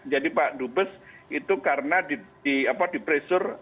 jadi pak dut besar itu karena di pressure